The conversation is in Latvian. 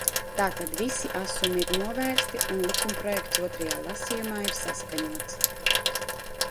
Tātad visi asumi ir novērsti un likumprojekts otrajā lasījumā ir saskaņots.